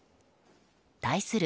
対する